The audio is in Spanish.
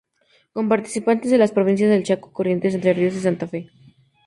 Con participantes de las provincias del Chaco, Corrientes, Entre Ríos y Santa Fe.